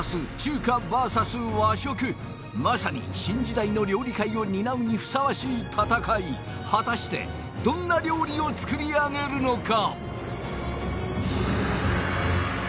まさに新時代の料理界を担うにふさわしい戦い果たしてどんな料理を作り上げるのか？